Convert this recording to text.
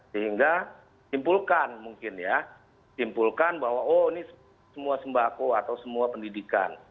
sehingga simpulkan mungkin ya simpulkan bahwa oh ini semua sembako atau semua pendidikan